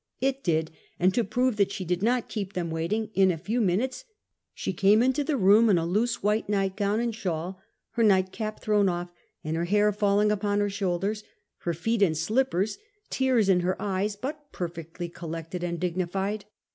It did ; and to prove that she did not keep them waiting, in a few minu tes she came into the room in a loose white nightgown and shawl, her nightcap thrown off, and her hair falling upon her shoulders, her feet in slippers, tears in her eyes, but perfectly collected and dignified.